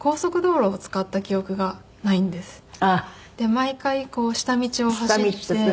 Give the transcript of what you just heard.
毎回下道を走って。